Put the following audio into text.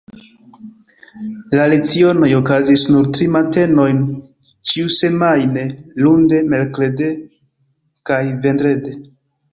La lecionoj okazis nur tri matenojn ĉiusemajne, lunde, merkrede kaj vendrede.